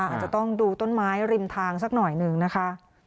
อาจจะต้องดูต้นไม้ริมทางสักหน่อยหนึ่งนะคะ